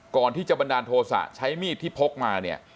บันดาลโทษะใช้มีดที่พกมาเนี่ย